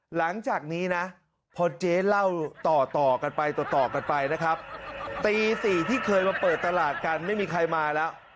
หลังจากนี้นะพอเจ๊เล่าต่อต่อกันไปต่อกันไปนะครับตี๔ที่เคยมาเปิดตลาดกันไม่มีใครมาแล้ว